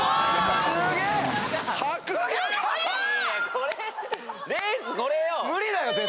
これレースこれよ！